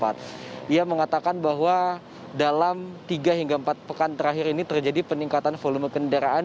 dia mengatakan bahwa dalam tiga hingga empat pekan terakhir ini terjadi peningkatan volume kendaraan